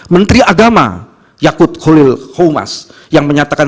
menteri agama yakut khalil khumas yang menyatakan